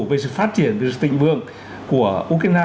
vì sự phát triển vì sự tình vương của ukraine